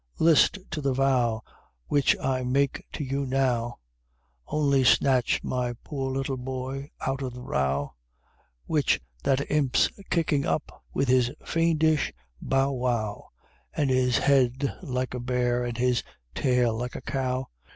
list to the vow Which I make to you now, Only snatch my poor little boy out of the row Which that Imp's kicking up with his fiendish bow wow, And his head like a bear, and his tail like a cow!